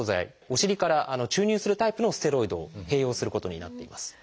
お尻から注入するタイプのステロイドを併用することになっています。